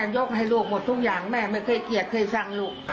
ยกให้ลูกหมดทุกอย่างแม่ไม่เคยเกลียดเคยสั่งลูก